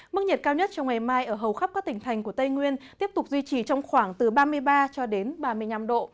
mức nhiệt cao nhất trong ngày mai ở hầu khắp các tỉnh thành của tây nguyên tiếp tục duy trì trong khoảng từ ba mươi ba cho đến ba mươi năm độ